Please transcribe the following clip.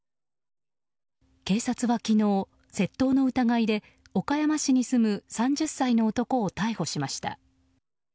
警察は昨日、窃盗の疑いで岡山市に住む３０歳の男を逮捕しました。